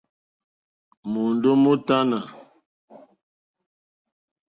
Môndó mótánà.